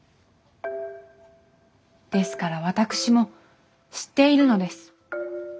ですから私も知っているのです。